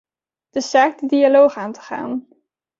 Het is zaak die dialoog aan te gaan.